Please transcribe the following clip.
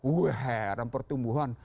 wuh heran pertumbuhan